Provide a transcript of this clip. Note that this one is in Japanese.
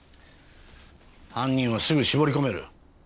犯人はすぐ絞り込める。